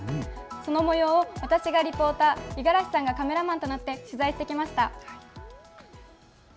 そのもようを私がリポーター、五十嵐さんがカメラマンとなって取材してきました。